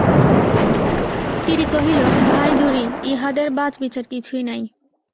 তিরি কহিল, ভাই দুরি, ইহাদের বাচবিচার কিছুই নাই।